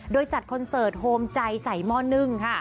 โดยจัดคอนเสิร์ตโฮมใจใส่หม้อนึ่งค่ะ